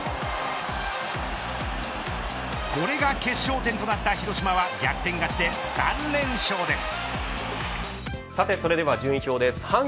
これが決勝点となった広島は逆転勝ちで３連勝です。